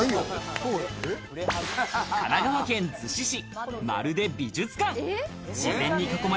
神奈川県逗子市、まるで美術館！